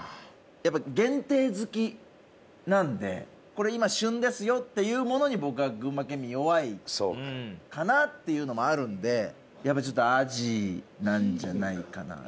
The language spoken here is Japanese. やっぱ限定好きなのでこれ今旬ですよっていうものに僕は群馬県民弱いかなっていうのもあるのでやっぱアジなんじゃないかな。